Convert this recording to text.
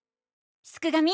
すくがミ！